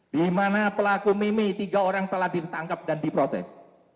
di mana pelaku mimi tiga orang telah ditangkap dan diproses